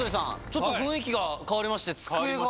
ちょっと雰囲気が変わりまして机が。